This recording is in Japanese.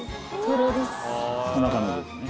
トロです。